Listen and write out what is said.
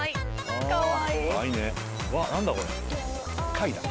貝だ。